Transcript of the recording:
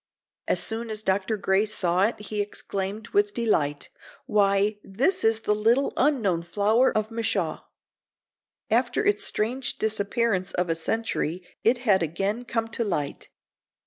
As soon as Dr. Gray saw it he exclaimed, with delight: "Why, this is the little unknown flower of Michaux." After its strange disappearance of a century it had again come to light.